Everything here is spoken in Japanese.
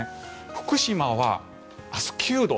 福島は明日、９度。